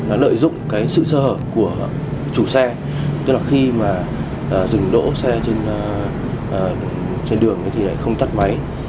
tội phạm đã lợi dụng sự sơ hở của chủ xe tức là khi mà dừng đỗ xe trên đường thì lại không tắt máy